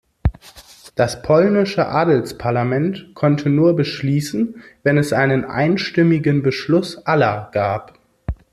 Das polnische Adelsparlament konnte nur beschließen, wenn es einen einstimmigen Beschluss aller gab.